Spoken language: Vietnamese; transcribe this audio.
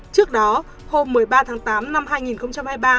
trước đó hôm một mươi ba tháng tám năm hai nghìn hai mươi ba